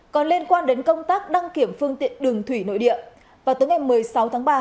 còn liên quan đến công tác đăng kiểm phương tiện đường thủy nội địa vào tối ngày một mươi sáu tháng ba